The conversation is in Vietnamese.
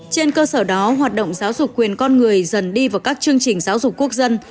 trên cơ sở đó hoạt động giáo dục quyền con người dần đi vào các chương trình giáo dục quốc dân